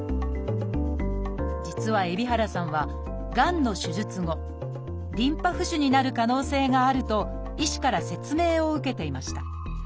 実は海老原さんはがんの手術後リンパ浮腫になる可能性があると医師から説明を受けていました。